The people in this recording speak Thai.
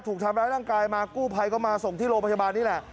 ถูกทำร้ายร่างกายมากู้ภัยก็มาส่งที่โรงพยาบาลนี่แหละ